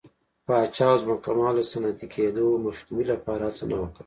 پاچا او ځمکوالو د صنعتي کېدو مخنیوي لپاره هڅه نه وه کړې.